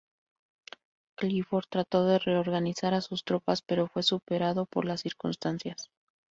Clifford trató de reorganizar a sus tropas, pero fue superado por las circunstancias.